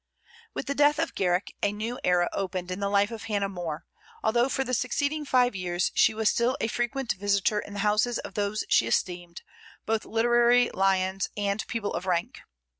With the death of Garrick a new era opened in the life of Hannah More, although for the succeeding five years she still was a frequent visitor in the houses of those she esteemed, both literary lions and people of rank.